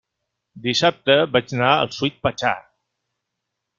Dissabte vaig anar al Sweet Pachá.